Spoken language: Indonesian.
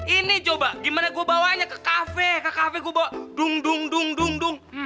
ini coba gimana gue bawanya ke kafe ke kafe gue dung dung dung dung dung